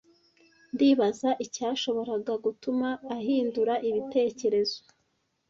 Ndibaza icyashoboraga gutuma ahindura ibitekerezo.